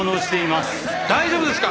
大丈夫ですか？